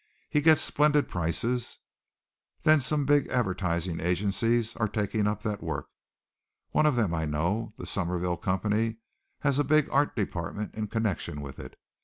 He gets splendid prices. Then some of the big advertising agencies are taking up that work. One of them I know. The Summerville Company has a big art department in connection with it.